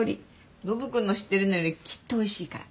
ノブ君の知ってるのよりきっとおいしいから。